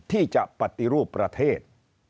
ที่จะปฏิรูปประเทศ